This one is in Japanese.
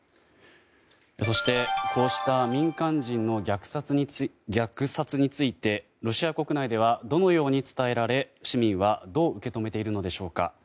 そしてこうした民間人の虐殺についてロシア国内ではどのように伝えられ市民は、どう受け止めているのでしょうか。